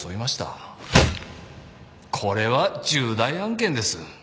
これは重大案件です。